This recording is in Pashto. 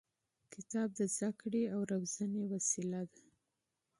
کتاب د تعلیم او تربیې وسیله ده.